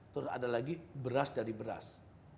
terus ada lagi beras dari beras